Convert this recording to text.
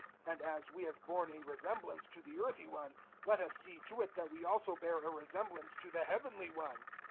015:049 And as we have borne a resemblance to the earthy one, let us see to it that we also bear a resemblance to the heavenly One.